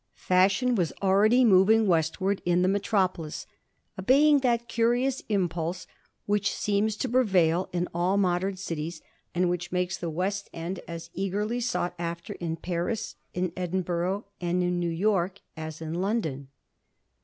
Fashion was already moving westward in the metropolis, obejdng that curious impulse which seems to prevail in aU modern cities, and which makes the West End as eagerly sought after in Paris^ in Edinburgh, and in New York, as in London.